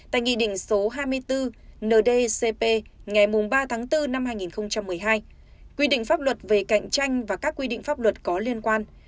tại nghị định số hai mươi bốn ndcp ngày ba tháng bốn năm hai nghìn một mươi hai quy định pháp luật về cạnh tranh và các quy định pháp luật có liên quan